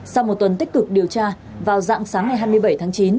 sau một tuần tích cực điều tra vào dạng sáng ngày hai mươi bảy tháng chín